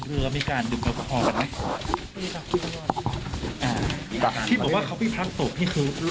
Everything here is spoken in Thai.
บนเรือมีการดึงแล้วพอกันไหมอ่าที่บอกว่าเขาพี่พักตกพี่คือ